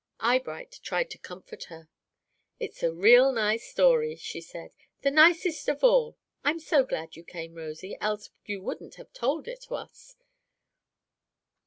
Eyebright tried to comfort her. "It's a real nice story," she said. "The nicest of all. I'm so glad you came, Rosy, else you wouldn't have told it to us."